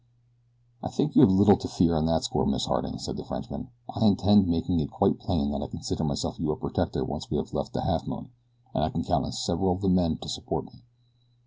"I think you have little to fear on that score, Miss Harding," said the Frenchman. "I intend making it quite plain that I consider myself your protector once we have left the Halfmoon, and I can count on several of the men to support me.